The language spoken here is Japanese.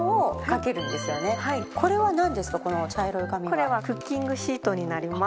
これはクッキングシートになります。